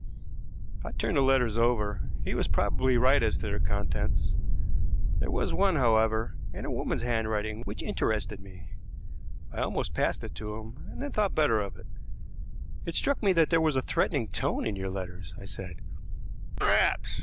I turned the letters over; he was probably right as to their contents. There was one, however, in a woman's handwriting which interested me. I almost passed it to him, and then thought better of it. "It struck me that there was a threatening tone in your letters," I said. "Perhaps.